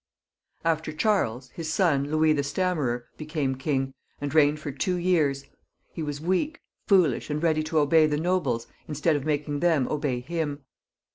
Aftei Charles, hia son, Louis the Stammers, became king, and reigned for two years ; he was weak, foolish, and ready to obey the nobles instead of making them obey him.